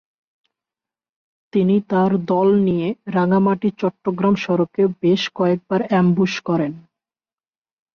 তিনি তার দল নিয়ে রাঙামাটি-চট্টগ্রাম সড়কে বেশ কয়েকবার অ্যামবুশ করেন।